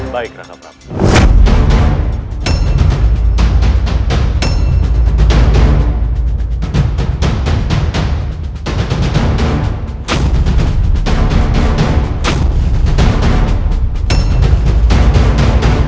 baik raka pram